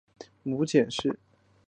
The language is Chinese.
母臧氏。